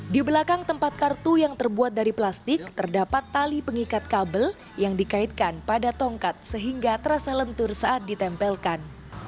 di belakang tempat kartu yang terbuat dari plastik terdapat tali pengikat kabel yang dikaitkan pada tongkat sehingga terasa lentur saat ditempelkan